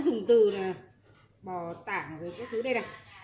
nó cứ dùng từ là bò tảng rồi các thứ đây này